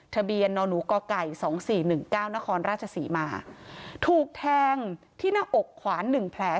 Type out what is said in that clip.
ทะเบียนนหนูกไก่สองสี่หนึ่งเก้านครราชศรีมาถูกแทงที่หน้าอกขวานหนึ่งแผล